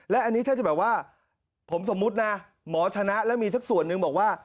และอันนี้ถ้าจะแบบว่าผมสมมุตินะหมอชนะแล้วมีสักส่วนหนึ่งบอกว่า